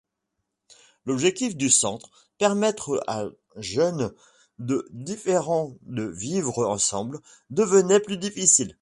L’objectif du Centre, permettre à jeunes de différents de vivre ensemble, devenait plus difficile.